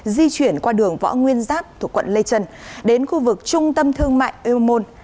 di chuyển qua đường võ nguyên giáp thuộc quận lê trân đến khu vực trung tâm thương mại eumon